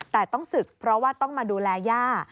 แต่ต้องศึกเพราะว่าต้องมาดูแลย่า